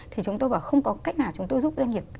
thì chúng tôi bảo không có cách nào chúng tôi giúp doanh nghiệp